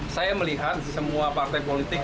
saya melihat semua partai politik